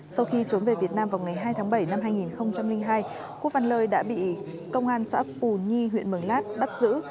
sau khi trốn về việt nam vào ngày hai tháng bảy năm hai nghìn hai quốc văn lời đã bị công an xã phù nhi huyện mường lát bắt giữ